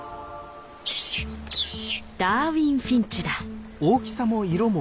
ダーウィンフィンチだ。